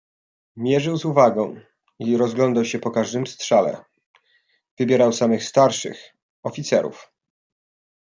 "Mierzył z uwagą, i rozglądał się po każdym strzale, wybierał samych starszych, oficerów..."